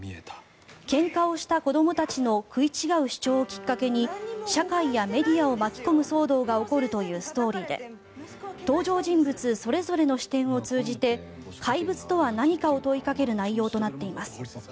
けんかをした子どもたちの食い違う主張をきっかけに社会やメディアを巻き込む騒動が起こるというストーリーで登場人物それぞれの視点を通じて怪物とは何かを問いかける内容となっています。